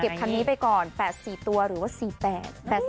คันนี้ไปก่อน๘๔ตัวหรือว่า๔๘๘๔